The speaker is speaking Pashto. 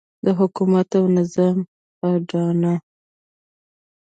د حکومت او نظام اډانه.